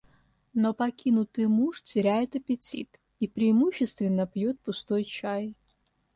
Но покинутый муж теряет аппетит и преимущественно пьёт пустой чай.